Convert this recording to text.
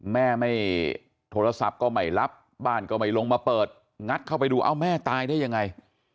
แม่ไม่โทรศัพท์ก็ไม่รับบ้านก็ไม่ลงมาเปิดงัดเข้าไปดูเอ้าแม่ตายได้ยังไง